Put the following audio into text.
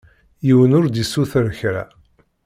Yiwen ur d-isuter kra.